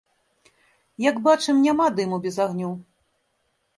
Як бачым, няма дыму без агню.